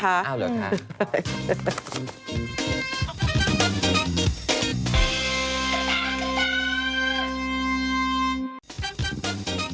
คุณแม่คะ